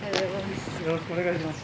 よろしくお願いします。